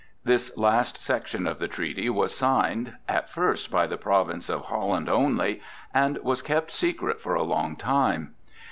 This last section of the treaty was signed, at first by the province of Holland only, and was kept secret for a long time.